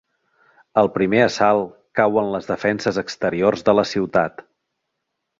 Al primer assalt cauen les defenses exteriors de la ciutat.